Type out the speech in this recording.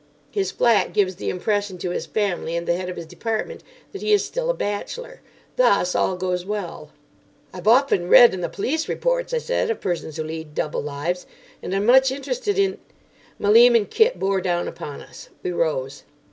His flat gives the impression to his family and the head of his department that he is still a bachelor. Thus, all goes well." "I've often read in the police reports," I said, "of persons who lead double lives, and I'm much interested in——" Malim and Kit bore down upon us. We rose.